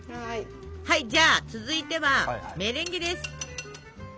はいじゃあ続いてはメレンゲです。